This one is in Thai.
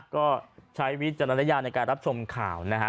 ก็ใช้วิจารณญาณในการรับชมข่าวนะฮะ